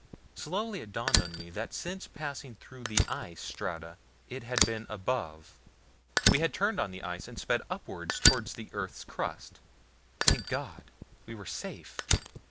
Slowly it dawned on me that since passing through the ice strata it had been above. We had turned in the ice and sped upward toward the earth's crust. Thank God! We were safe!